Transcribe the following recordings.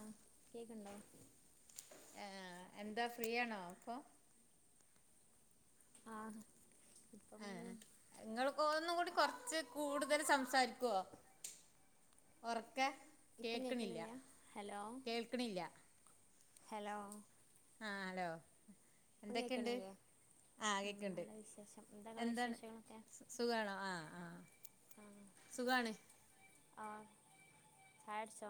ആഹ് കേക്ക്ണ്ടോ. [inaudible] ഏ, എന്താ ഫ്രീയാണോ അപ്പോ ആഹ് ഇങ്ങളിപ്പൊ ഒന്നുകൂടി കൊറച്ച് കൂടുതൽ സംസാരിക്കൊ ഒർക്കെ ഇപ്പം കേക്കണില്ല കേക്ക്ണില്ല ഹലോ കേൾക്ക്ണില്ല. ഹലോ. ആഹ് ഹലോ. പ്പം എന്തൊക്കെയുണ്ട് കേക്കണില്ലേ ആഹ് കേക്കണ്ട് നല്ല വിശേഷം എന്താങ്ങളെ വിശേഷങ്ങളൊക്കെ. സുഖണോ ആഹ് ആഹ് ആഹ് സുഖാണ് ആഹ് ചായട്ച്ചോ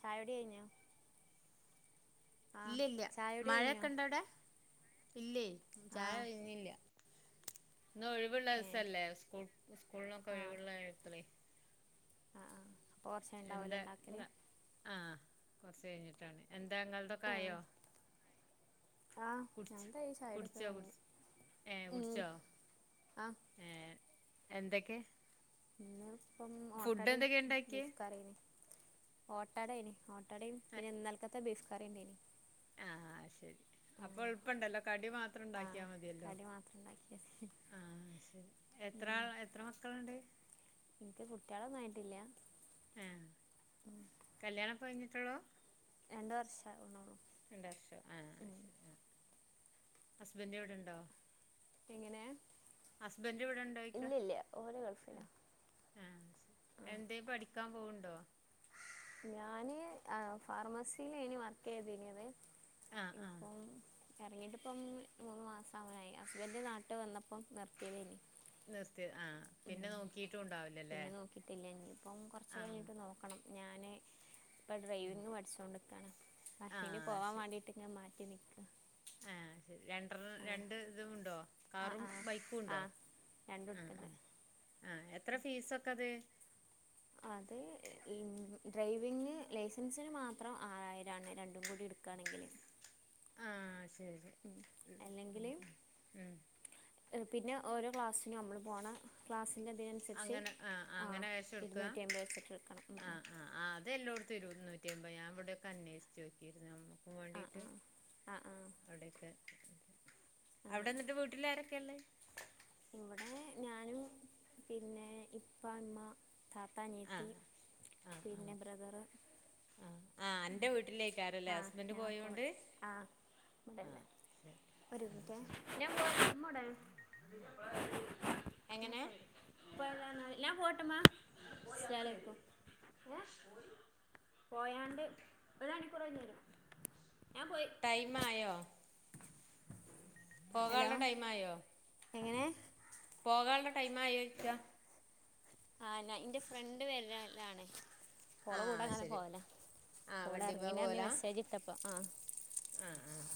ചായുടി കഴിഞ്ഞോ ആഹ് ഇല്ല ഇല്ല ചായുടി കഴിഞ്ഞോ മഴക്കെ ഇണ്ടോ അവിടെ ഇല്ല ചായ ആഹ് കഴഞ്ഞില്ല ഇന്ന് ഒഴിവുള്ള ഏഹ് ദിവസല്ലേ സ്കൂൾ സ്കൂളിനൊക്കെ ആഹ് ഒഴിവുള്ള എഴുത്തേ ആഹ് ആഹ് അപ്പൊ കൊറച്ചയ്ഞ്ഞ് ഇണ്ടാവുലെ എന്താ ഇണ്ടാക്കല് ആ കുറച്ച് കഴിഞ്ഞിട്ടാണ് എന്താങ്ങൾതൊക്കെ ആഹ് ആയോ ആഹ് കുടിച്ച് ഞാൻന്താ ചായടൊക്കെ കുടിച്ചോ കയിഞ്ഞു കുടിച്ച് ഏ ഉം കുടിച്ചോ ആഹ് ഏ എന്തൊക്കെ ഇന്ന ഇപ്പം ഫുഡ് ഓട്ടാടയും എന്തൊക്കെയാ ഉണ്ടാക്കിയേ ബീഫ് കറിം ഓട്ടാട ഓ ട്ടടയും പിന്നെ നൽക്കത്തെ ബീഫ്‌കറിണ്ടേനി ആഹ് ശരി അപ്പൊ ഉളപ്പണ്ടല്ലോ കടി മാത്രം ആഹ് ഉണ്ടാക്കിയാൽ മതിയല്ലോ കടി മാത്രം ഉണ്ടാക്കിയത് ആഹ് ശരി എത്ര ഉം ആളാ എത്ര മക്കൾണ്ട് എനിക്ക് കുട്ടിയളൊന്നും ആയിട്ടില്ല കല്യാണപ്പഴിഞ്ഞിട്ടോള്ളു രണ്ട് വർഷ ആവ്ണോള്ളു രണ്ട വർഷോ ആഹ് ശരി ഹസ്ബൻഡ് ഇവിടെണ്ടോ എങ്ങനെ ഹസ്ബന്റ ഇല്ല ഇവിടെണ്ടോയിക്ക ഇല്ല ഓര് ഗൾഫിലാ ആഹ് ആഹ് എന്തേ പഠിക്കാൻ പോവണ്ടോ ഞാന് ഫാർമസിൽ ഏനി വർക്ക് ചെയ്തിനത് ആ ആ ഇപ്പം ഇറങ്ങിട്ടിപ്പം മൂന്ന് മാസം ആവാനായി ഹസ്ബൻഡ് നാട്ട് വന്നപ്പം നിർത്തിയത് ഇനി നിർത്തിയ ആഹ് പിന്നെ നോക്കിട്ടും ഉണ്ടാവില്ലല്ലേ പിന്നെ നോക്കിയിട്ടില്ല ഇനിയിപ്പം കുറച്ച് ആഹ് കഴിഞ്ഞിട്ട് നോക്കണം ഞാന് ഇപ്പം ആ ഡ്രൈവിങ്ങ് പഠിച്ചോണ്ട് ക്കാണ് അപ്പനി ആഹ് പോവാൻ വേണ്ടിയിട്ട് ഞാൻ മാറ്റി നിക്ക ഏ ശരി രണ്ട രണ്ട് ഇതും ഉണ്ടോ ആഹ് കാറും ആഹ് ബൈക്കും ഉണ്ടോ ആഹ് രണ്ടും ആഹ് എടുക്കണ്ടേ ആഹ് എത്ര ഫീസൊക്കെ അത് അത് ഈ ഡ്രൈവിങ്ങ് ലൈസൻസിന് മാത്രം ആറായിരണ് രണ്ടും കൂടി എടുക്കും ക്കാണെങ്കിൽ ആഹ് ശരി ആഹ് അല്ലെങ്കില് ആഹ് ഉം പിന്നെ ഓരോ ക്ലാസ്സിനും നമ്മള് പോണം ക്ലാസ്സിന്റെ അധം അങ്ങനെ ആഹ് ആഹ് അങ്ങനെ വച്ച കൊടുക്ക അമ്പത് വെച്ചിട്ട് എടുക്കണം ഉം ഉം ആഹ് ആഹ് ആഹ് അത എല്ലോടടുത്ത് ഇരുന്നൂറ്റി അമ്പത് ഞാൻ ഇവിടെക്കെ അന്വേഷച്ച് നോക്കിയിരുന്നു അമ്മു ആഹ് വേണ്ടിട്ട് ആഹ് ആഹ് ആഹ് അവിടെയൊക്കെ അവിടെ അങ്ങനെ എന്നിട്ട് വീട്ടില ആരൊക്കെള്ളേ ഇവിടെ ഞാനും പിന്നെ ഇപ്പ ഇമ്മ താത്ത അനിയത്തി ആഹ് ആഹ് പിന്നെ ബ്രദറ് അന്റെ വീട്ടിലേക്കരല്ലേ ആഹ് ഹസ്ബൻഡ് ഞാൻ ഇപ്പോൾ പോയോണ്ട് ആഹ് ആഹ് ഇവിടെല്ലേ ശരി [inaudible] ഞാൻ എങ്ങനെ ഇപ്പൊ [inaudible] പോയാണ്ട് [unintelligible] ടൈമായോ ഹലോ പോകാള്ള ടൈമായോ എങ്ങനെ പോകാള്ള ടൈമായോച്ചയാ ആ ഞാൻ ഇന്റെ ഫ്രണ്ട് വരലാണേ ആ പോള കൂടങ്ങനെ ശരി പോവല ആ വണ്ടിമ്മേ പോളെറങ്ങീനാറഞ് മെസ്സേജ്ട്ടപ്പോ ആഹ് ആഹ് ആഹ്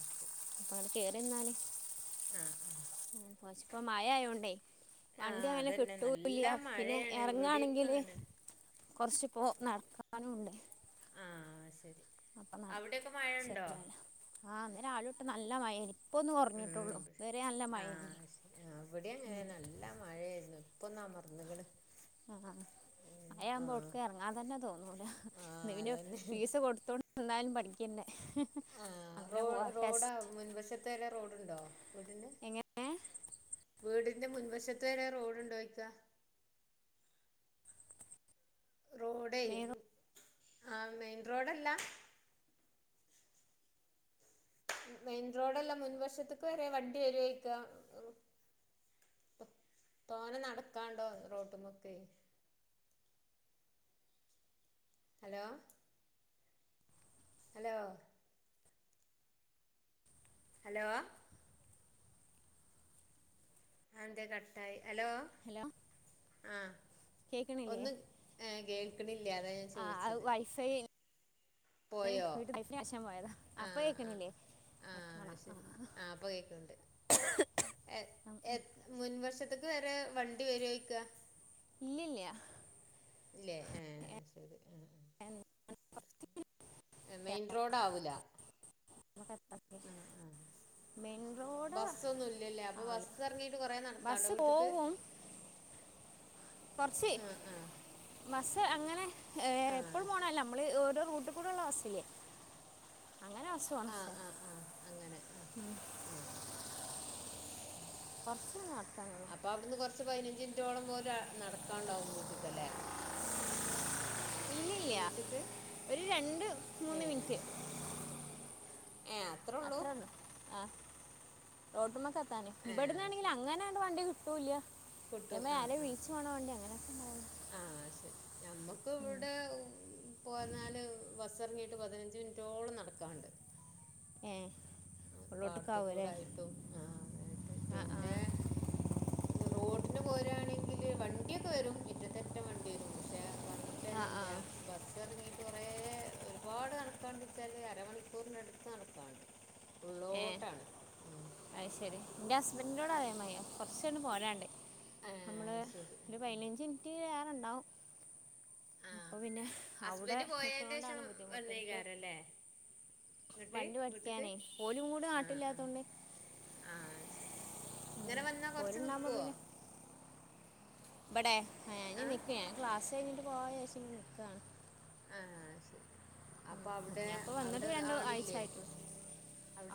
അപ്പൊങ്ങട്ട് കേറിന്നാല് ആഹ് ഉം പശുപ്പം മയായോണ്ടേ ആ വണ്ട്യങ്ങനെ അതന്നെ കിട്ടൂ നല്ല ല്ല്യ പിന്നെ മഴയാണ് ഇവിടെയൊക്കെ എറങ്ങാണെങ്കില് അങ്ങനെ കൊറച്ച് പ്പോ നടക്കാനുണ്ട് ആ സെരി നടക്കും അവിടെക്കെ മഴണ്ടോ ശരിയാവില്ല ആ ഇന്ന് രാവിലൊട്ട് നല്ല മയേനി ഇപ്പൊന്ന് ഉം കൊറഞ്ഞ്ട്ടൊള്ളൂ ത് വരെ നല്ല മയേനി മ് ല്ല മഴേരുന്നു ഇപ്പൊന്ന് അമർന്ന്ക്ക്ണ് ആഹ് ആ മയാമ്പോ ഒടുക്ക് എറങ്ങാ തന്നെ തോന്നൂല ആ ഇത് പിന്നേം അതന്നെ ഫീസ് കൊടുത്തോണ്ട് ന്നാലും പഠിക്കണ്ടേ അങ്ങനെ പോവാ ടെസ്റ്റ് ടുത്തരെ റോഡുണ്ടോ വീടിന് എങ്ങനെ വീട്ന്റെ മുൻവശത്ത്വരെ റോഡ്ണ്ടോയ്ക്കാ റോഡേ മേറു ആ മെയിൻ റോഡല്ല മെയിൻ റോഡെല്ല മുൻ വശത്ത്ക്ക് വരെ വണ്ടി വരുവോയ്ക്ക തോനെ നടക്കാണ്ടോ റോട്ട്മ്മക്കെ ഹലോ ഹലോ ഹലോ അന്തേ കട്ടായി ഹലോ ഹലോ ആഹ് കേൾക്കണില്ലേ ഒന്നും ഏ കേക്ണില്ല അതാ ഞാൻ ചോയ്ച്ചത് സെയിൽ ഏ വീട്ട് കയിഞ്ഞാഷം പോയതാ അപ്പ കേക്ക്ണില്ലേ ആഹ് അത് ശരി ആ ഇപ്പൊ കേക്ക്ണ്ട് എ എത് മുൻവശത്ത്ക്ക് വരെ വണ്ടി വെരോയ്ക്ക ഇല്ലില്ല്യ ഇല്ലേ ഏഹ് ശരി ആഹ് എന്താണ് എ മെയിൻ ക്യാമറ റോഡാവൂല കട്ടാക്കി. അഹ് ആഹ് മെയിൻ റോഡ് ബസ്സൊന്നുല്ല്യല്ല അപ്പൊ ആവില്ല ബസ്സെറങ്ങീട്ട് കൊറേ നടക്കാണ്ടോ ബസ് വീട്ട്ക്ക് പോവും കൊറച്ച് ആഹ് ആഹ് ബസ്സ്‌ അങ്ങനെ ആഹ് എപ്പളും ശരി പോണല്ല മ്മള് ഓരോ റൂട്ട് കൂടൊഊഐഐഒള്ള ബസ്സില്ലേ അങ്ങനെ സ്സുആണ് ആഹ് ഏ ആഹ് ആഹ് അങ്ങനെ ആഹ് മ് ആഹ് ശരി [inaudible] കൊറച്ച് നട്ക്കണം പ്പോ അവിടുന്ന് കൊറച്ച് പയ്നഞ്ച് മിനിറ്റോളം പോലെ നടക്കാണ്ടാവും വീട്ടക്ക് അല്ലേ ഇല്ലില്ല വീട്ട്ക്ക് ഒരു രണ്ട് മൂന്ന് മിനിറ്റ് [inaudible] ഏ അത്രേള്ളൂ ആഹ് റോട്ടുമെക്കെത്താന് ഏഹ് ഇബട്ന്നാണെങ്കിൽ അങ്ങനാണ്ട് വണ്ടി കിട്ടൂല്ല കിട്ടു ആഹ് ആഹ് ആഹ് ആഹ് ആഹ് ശരി നമ്മക്ക് ഇവ്ടെ പോന്നാല് ബസ്സറങ്ങീട്ട് പതിനഞ്ച് മിനനിറ്റോളം നടക്കാനുണ്ട് ഏ പാട്ത്ത് ഉള്ളോട്ടേക്കാവും അല്ലേ കൂടായിട്ടും ആഹ് അങ്ങനായിട്ട് ആ പിന്നെ [inaudible] റോട്ടിന് പോരാണെങ്കില് വണ്ടിയൊക്കെ വരും മിറ്റത്തെറ്റം വണ്ടി വരും പശ് പക്ഷെ ആ ആ പറഞ്ഞിട്ടാര്യല്യ ബസ് ഇറങ്ങി കുറെ ഒരുപാട് നടക്കാണ്ട് വെച്ചാല് അരമണിക്കൂറിന്റെ അടുത്ത് നടക്കാണ്ട് ഉള്ളോട്ടാണ് ഉം അയ് ശെരി എന്റെ ഹസ്ബൻഡിനോട് അതെമയ കൊറച്ചങ്ങട് പോരാണ്ട് ആ, നമ്മള് ശരി ആ ഒരു പതിനഞ്ച് മിനിറ്റ് ഏറെണ്ടാവും ആ. ആ അപ്പൊ പിന്നെ അവിടെ ഹസ്ബൻഡ് പോയതിൻ്റെ നിക്കൊണോണ്ടാണ് ശേഷം ബുദ്ധിമുട്ട് എനിക്ക് വന്നേക്കാരം അല്ലേ ഇങ്ങോട്ട് വണ്ടി വീട്ടിക്ക് പഠിക്കാനേ ഓലും കൂടെ നാട്ടില്ലാത്തോണ്ട് ആഹ് ശരി ഇങ്ങനെ വന്നാ കൊറച്ച് ഓലുണ്ടാകുമ്പോൾ നിക്കുവോ പിന്നെ ഇവിടെ ഇനി ആ നിൽക്ക ഞാൻ ക്ലാസ് കഴിഞ്ഞിട്ട് പോവാ വിചാരിച്ചിട്ടു നിക്കാണ് ആഹ് ശരി അപ്പൊ അവിടെ ഞാൻ ഇപ്പോൾ വന്നിട്ട് അവിടെ രണ്ട് ആഴ്ച ആളില്ലേ ആയിട്ടുള്ളൂ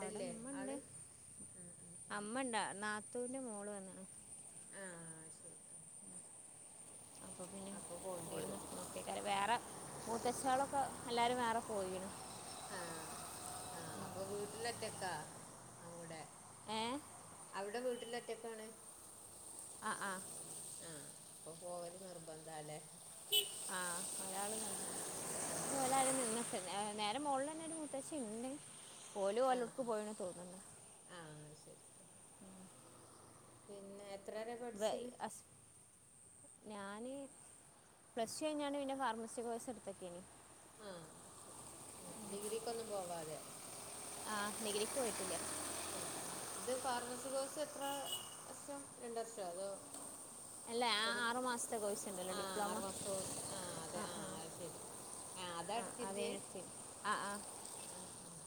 അവിടെ അമ്മ ഇണ്ട് ആള് ഉം ഉം അമ്മണ്ട് നാത്തൂന്റെ മോള് വന്നിണ് ആഹ് ആഹ് ശരി എന്ന അപ്പെ പിന്നെ അപ്പൊ പോണ്ടി മോള് വരും നിൽക്കണം വേറെ മൂത്തച്ചാളൊക്കെ എല്ലാരും വേറെ പോയിണ് ആഹ് ആഹ് അപ്പൊ വീട്ടില് ഒറ്റക്കാ അവിടെ ഏ അവിടെ വീട്ടില് ഒറ്റക്കാണ് ആഹ് ആഹ് ആഹ് അപ്പൊ പോവല് നിർബന്ധല്ലേ ആഹ് ഓരള് ആഹ് അതെ നിന്ന് [unintelligible] അതിന്റെ മോളില് തന്നെ ഒരു മുത്തച്ശി ഉണ്ട് ഓല് ആഹ് ഓലോട്ക് ആഹ് പോയണന്ന്‌ തോന്നണ് ആഹ് ശരി പിന്നെ വരെ വെ പഠിച്ച്ണ് അസ് ഞാന് പ്ലസ് ടു കഴിഞ്ഞാണ് പിന്നെ ഫാർമസി കോഴ്സ് എടുത്തൊക്കിയന് ആഹ് ശരി ആഹ് ഡിഗ്രിക്കൊന്നും പോവാതെ ആഹ് ഡിഗ്രീക്ക് പോയിട്ടില്ല ആഹ് ആഹ് ഇത് ഫാർമസി കോഴ്സ് എത്ര വർഷം രണ്ട് വർഷോ അതോ അല്ല ആ ഒരു ആറ് മാസത്തെ കോഴ്സ് ഉണ്ടല്ലോ ആഹ് ആറ് ഡിപ്ലോമ മാസത്തെ കോഴ്സ് ആഹ് അതെ ആഹ് അത് ശരി അതാ ആഹ് എടുത്തിരുന്നേ അതേനത്തി ആഹ് ആഹ് ആഹ് ആഹ്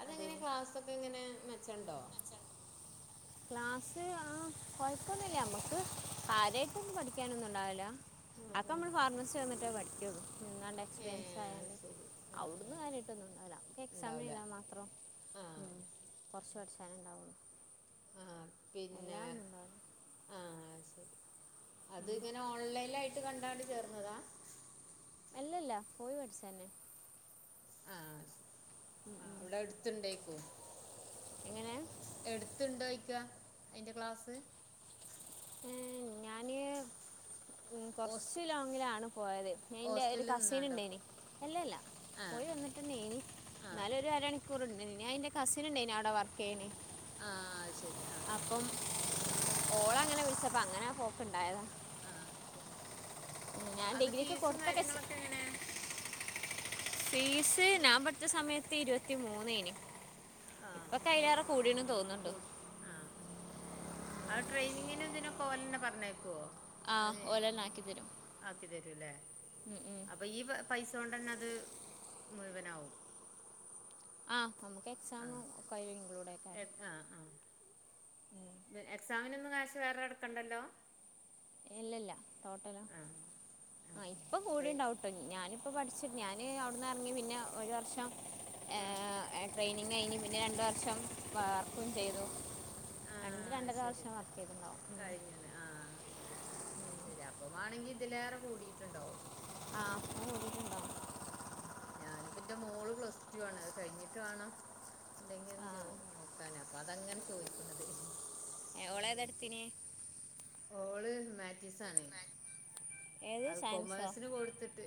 അതെങ്ങനെ ക്ലാസ്സൊക്കെ എങ്ങനെ മെച്ചണ്ടോ ക്ലാസ്സ് ആഹ് കുഴപ്പമൊന്നുല്ല നമ്മക്ക് കാര്യായിട്ടൊന്നും പഠിക്കാനൊന്നും ഉണ്ടാവില്ല ആഹ് അപ്പൊ ആഹ് നമ്മള് ഫാർമസി വന്നിട്ടേ പഠിക്കള്ളു നിങ്ങാണ്ടെ എക്സ്പീരിയൻസ് ഏഹ് അത് ആയണ്ട് ശരി ആഹ് അവിടുന്ന് ആഹ് കാര്യമായിട്ടൊന്നുണ്ടാവില്ല നമുക്ക് എക്സാമം ഉണ്ടാവൂല എഴുതാൻ മാത്രം! ആഹ് കൊറച്ച് പഠിച്ചാനേ ഉണ്ടാവുള്ളൂ ആഹ് പിന്നെ ഉണ്ടാവില്ല ആഹ് അത് ശരി അത് ഇങ്ങനെ ഓൺലൈനായിട്ട് കണ്ടാണ്ട് ചേർന്നതാ അല്ലല്ല പോയി പഠിച്ച അന്നെ ആഹ് ഉം, ആഹ് ഉം. അവിടെ അടുത്ത് ണ്ടേയ്ക്കോ എങ്ങനെ എടുത്തണ്ടായ്ക്കാ അയിന്റെ ക്ലാസ് ഉം ഞാന് ഉം ഹോസ് കൊറച്ച് ലോങ്ങിലാണ് പോയത് ഞാൻ ഇന്റെ ഒരു ഹോസ്റ്റലിൽ കസിന് നിന്നാണ്ടോ ഇണ്ടേയ്ന് എല്ലല്ല ആ പോയി ആ വന്നിട്ടന്നേയ്ന് ആ എന്നാലും ഒരു അരമണിക്കൂറ്ണ്ട് പിന്നെഎന്റെ കസിന്ണ്ടേയ്ന് അവടെ വർ കഴിഞ്ഞ് ആ അത് ശരി ആ ആ അപ്പം ആ കൂട്ടത്തിൽ കൂടെ ഓളെ ഇപ്പൊ അങ്ങനാ പോക്ക്ണ്ടായതാ ആഹ്അത് ശരി ഞാൻ അപ്പൊ ഡിഗ്രിക്ക് ഫീസും കൊടുത്തൊക്കെ ചെ- കാര്യങ്ങളൊക്കെ എങ്ങനെ ഫീസ് ഞാൻ ഫീസ് പഠിച്ച സമയത്ത് ഇരുപത്തി മൂന്നേയ്ന് ആ ഇപ്പൊക്കെ അയിലേറെ കൂടീണ് തോന്ന്ണ്ട് ആഹ് ആഹ് അപ്പൊ ട്രെയിനിങ്ങിനും ഇതിനൊക്കെ ഓലന്നെ പറഞ്ഞേക്കോ ആഹ് ഓലന്നെ ആക്കിത്തരും ഉം ഉം അപ്പൊ ഈ പൈ പൈ സോണ്ടന്നെ അത് മുഴുവനാവും ആഹ്. നമുക്ക് ആ എക്സാമും ഒക്കെ അയ്ല് ഇൻക്ലൂ ഡേക്കാരം. എ- ആ ആ എക്സാമിനൊന്നും കാശ് വേറെ അടക്കണ്ടല്ലോ? ഇല്ലല്ല ആ ശരി ആ ടോട്ടലോ. ആഹ് ഇപ്പൊ ആ കൂടെണ്ടാവും. അപ്പോൾ [unintelligible] ഞാനിപ്പൊ പഠിച്ച് ഞാന് അവുടുന്നെറങ്ങി പിന്നെ ഒരു വർഷം. ആ ഏ ട്രൈയിനിങ്ങെയ്ഞ്ഞ് പിന്നെ രണ്ട് വർഷം വർക്കും ചെയ്തു. ആ രണ്ട് രണ്ടര വർഷം വർക്കെയ്ത്ണ്ടാവും. ആഹ് ശെരി അപ്പൊമാണെങ്കി ഇതിലേറെ കൂടീട്ട്ണ്ടാവും. ആ അത് നോക്കിയിട്ടുണ്ടോ ആഹ് ആഹ് ആഹ്. ഞാനിപ്പന്റെ മോള് പ്ലസ് ടു ആണ്. അത് കഴിഞ്ഞിട്ട് വാണം എന്തെങ്കിലൊന്ന് ആ ചേർ നോക്കാന്. അ അതങ്ങനെ ചോയ്ക്ക്ണത്. ഏ ഓളെതാട്ത്തിന്? ഓള് ഹുമാൻറ്റീസാണ്. ഏത് അത് സയൻസോ കൊമേഴ്സിന് കൊടുത്തിട്ട്,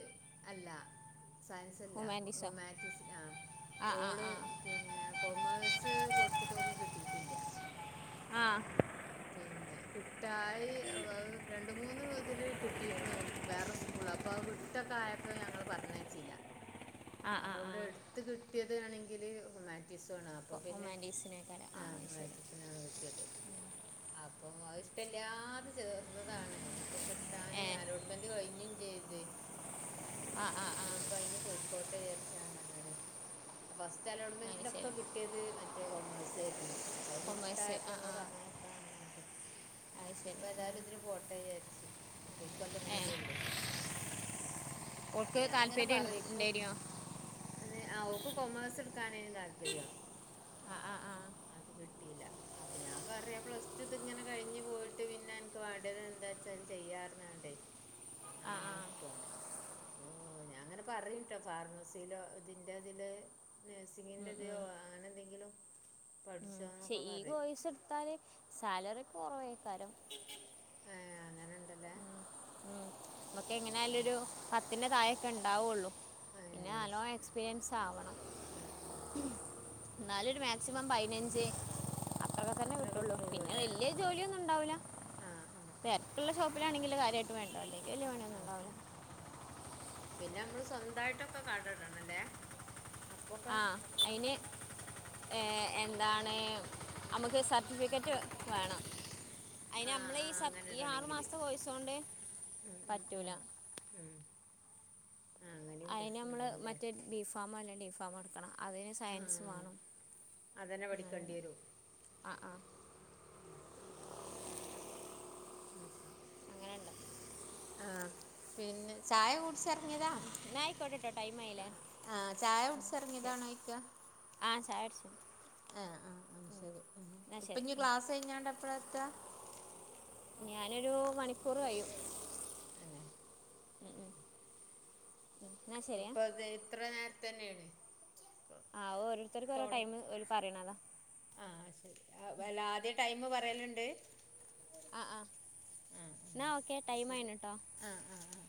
അല്ല സയൻസല്ല കൊ. ഹ്യൂമാനിറ്റീസോ ഹുമാൻറ്റീസിനാ ആ ആ ഓള് ആ പിന്നെ കൊമേഴ്സ് കൊട്ത്തിട്ട് ഓക്ക് കിട്ടീട്ടില്ല്യ. ആഹ്. പിന്നെ കിട്ടായി ഉ അഅ് രണ്ട് മൂന്ന് ഇതില് കി കിട്ടീര്ന്ന് ഓക്ക്. വേറെ സ്കൂൾല്. അപ്പൊ അത് വിട്ടൊക്കെ ആയപ്പോ ഞങ്ങള് പറഞ്ഞേച്ചീല്ല. ആ അപ്പൊ ആ ആ ഇവിടെ എട്ത്ത് കിട്ടിയത് ആണെങ്കില് ഹുമാറ്റീസു ആണ്. അ അപ്പൊ പിന്നെ ഹ്യൂമാനിറ്റീസിനേക്കാൾ ആ ആഹ് അത് ശരി ഹുമാൻറ്റീസിനാണ് കിട്ടിയത്. അപ്പൊ അത് ഇഷ്ട്ടല്ല്യാതെ ചേർന്നതാണ്. ഇഞിപ്പോ കിട്ടാന് ഏ അലോട്ട്മെന്റ് കയ്ഞ്ഞും ചെയ്ത്. [unintelligible] അപ്പൊ ആ ഇഞിപ്പയ്ന് പൊയ്ക്കോട്ടെ വിചാരിച്ചാണ്ട് അങ്ങനെ. ഫസ്റ്റ് അത് അലോട്ട്മെന്റിലൊക്കെ ശരി കിട്ടിയത് മറ്റേ കോമേഴ്സേ യ്രുന്നു. അത് കൊമേഴ്സ് വിട്ടായപ്പൊ ആ ഞങ്ങള് ആ പർഞ്ഞേ [unintelligible] അത് ശരി ഉം. ഇഞ്ഞിപ്പേതായാലും ഇതിന് പോട്ടെ വിയാര്ച്ച്. ഇപ്പ ഇക്കൊല്ലം ഏ കൂടിയൊള്ളു. അപ്പ ഓൾക്ക് ഞാൻ ഇങ്ങനെ താല്പര്യം പറയും ഇപ്പൊ ഉണ്ടായിരുന്നോ അതെ ആ ഓക്ക് കൊമേഴ്സ്ട്ക്കാനേയ്ന്ന് താല്പര്യം. ആ ആ ആ അത് കിട്ടീല. അപ്പൊ ഞാൻ പറ. പ്ലസ് ടു ത്ങ്ങനെ കഴിഞ്ഞ് പോയിട്ട് പിന്നെ അൻക്ക് വേണ്ടത് എന്താച്ചാൽ ചെയ്യാർഞ്ഞാണ്ടേ. ആ അങ്ങനെ ആ നിക്കാണ്. പ്പോ ഞാൻങ്ങനെ പറിട്ടോ ഫാർമസിയിലോ ഇതിന്റെ ഇതില്. ഉം, ഉം, നഴ്സിങ്ങിന്റെതയോ അങ്ങനെന്തെങ്കിലും. ക്ഷെ ഈ കോഴസ്ട്ത്താല് സാലറിയൊക്കെ കൊറവെയ്ക്കാരം. ങേ. അങ്ങനണ്ട്ലെ. മ്മക്ക് എങ്ങനൊയാലും ഒര് പത്തിന്റെ താഴൊക്കെണ്ടാവുള്ളൂ. ഏ പിന്നെ നല്ലോം എക്സ്പീരിയൻസ് ആവണം. ആ ആ ആ ന്നാലൊരു മാക്സിമം ശരി പയ്നഞ്ച്. അത്രൊക്കെ തന്നെ അത്ര കിട്ടുള്ളൂ. പിന്നെ അല്ലേ വല്യ ആ ജോലിയൊന്നും ഉണ്ടാവൂല. ആ ആ ള്ള ഷോപ്പ്ലാണെങ്കിലെ കാര്യായിട്ട് വേണ്ട ല്ലെങ്കി ആ വല്യ ആ ആ ആ പണിയൊന്നുണ്ടാവൂല. പിന്നെ മ്മള് സ്വന്തമായിട്ടൊക്കെ കട ടണംല്ലേ? ആഹ്. അയിന്. എ എന്താണ് അമ്മക്ക് സർട്ടിഫിക്കറ്റ് വേണം. ആ അയ്നമ്മളെ ആ ഈ സ അങ്ങനെ ഈ ആറു ഇടണെങ്കില് മാസത്തെ കോയ്സോണ്ട് ഉം ഉം പറ്റൂല. ഉം ഉം. ആ അങ്ങനെയും അയ്നമ്മള് പ്രശ്നമാണല്ലേ മറ്റേ ബീ ഫാമോ അല്ലെ ഡീ ഫാമോക്കെ ക്കണം. അതിന് ആ സയൻസ് വാണം. അതന്നെ പഠിക്കേണ്ടി അങ്ങനെണ്ട്. വരും ആഹ് ആഹ്. [unintelligible] അങ്ങനെ ഉണ്ട് ആ പിന്നെ ചായ കുടിച്ചിറങ്ങിയതാ എന്നാൽ ആയിക്കോട്ടെ കേട്ടോ ആ ടൈമായില്ലേ ഉം, ആ ശരി ചായകുട്ച്ചെർങ്ങിയതാണൊയ്ക്ക ആ ചായുട്ച്ചു എആഹ ആ് ശരി ഉം. ഇപ്പഞ്ഞിക്ളാസയ്ഞ്ഞ്കാണ്ട്എപ്പളാത്ത ഞാനരൂ മണിക്കൂർ കയ്യും. [inaudible] അന്നൊ ഉം. എന്നാ ശരിയാ ഇപ്പൊ അ ഇത്ര നേരത്തെ തന്നെണ്. ആ ഓരോരുത്തർക്ക് ഓരോടൈമ് ഒര് പറയിണതാ ആഹ ശരി അല്ല ആദ്യം ടൈമ് പറയല്ണ്ട്. ആ ആ ന്നാ ഓക്കെ ടൈമായിന് ട്ടോ. ആ ആ ആഹ്